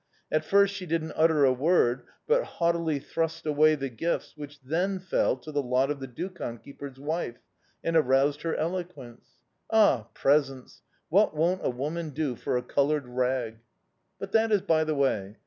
At first she didn't utter a word, but haughtily thrust away the gifts, which then fell to the lot of the dukhan keeper's wife and aroused her eloquence. Ah, presents! What won't a woman do for a coloured rag!... But that is by the way...